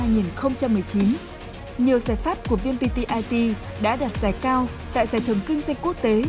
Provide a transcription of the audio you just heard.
nhiều giải pháp của vnpt it đã đạt giải cao tại giải thưởng kinh doanh quốc tế